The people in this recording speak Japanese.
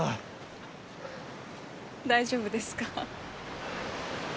大丈夫ですか？